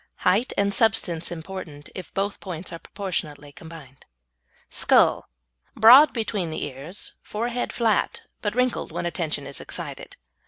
Height and substance important if both points are proportionately combined. SKULL Broad between the ears, forehead flat, but wrinkled when attention is excited.